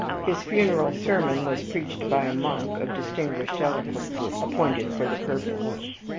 His funeral sermon was preached by a monk of distinguished eloquence, appointed for the purpose.